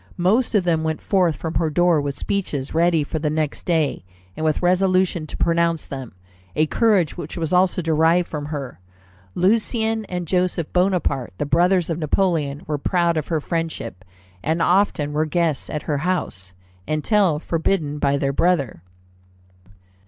Most of them went forth from her door with speeches ready for the next day, and with resolution to pronounce them a courage which was also derived from her." Lucien and Joseph Bonaparte, the brothers of Napoleon, were proud of her friendship, and often were guests at her house, until forbidden by their brother.